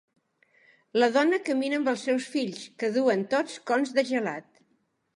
La dona camina amb els seus fills, que duen tots cons de gelat.